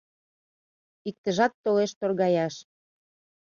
Иктыжат толеш торгаяш